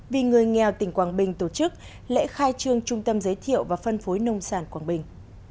vì người nghèo tỉnh quảng bình tổ chức lễ khai trương trung tâm giới thiệu và phân phối nông sản quảng bình